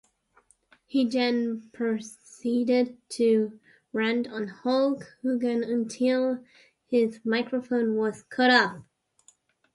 He then proceeded to rant on Hulk Hogan until his microphone was cut off.